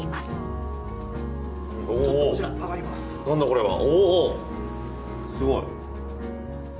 すごい。